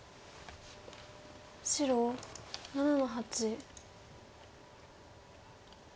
白７の八。